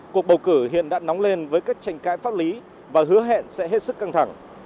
cuộc bầu cử hiện đã nóng lên với các tranh cãi pháp lý và hứa hẹn sẽ hết sức căng thẳng